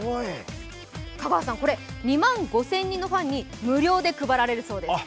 香川さん、これ２万５０００人のファンに無料で配られるそうです。